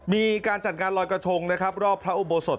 มีการจัดงานลอยกระทงนะครับรอบพระอุโบสถ